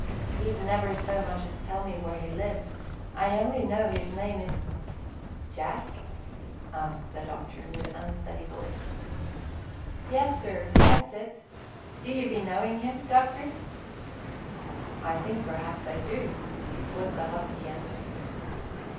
He'd never so much as tell me where he lived, and I only know his name is " "Jack?" asked the doctor, with unsteady voice. "Yes, sir; that's it. Do ye be knowing him, doctor?" "I think perhaps I do," was the husky answer.